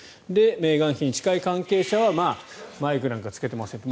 メーガン妃に近い関係者はマイクなんかつけてませんと。